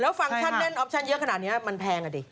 แล้วฟังก์แน่นออปชั่นเยอะขนาดนี้มันแพงอ่ะดิ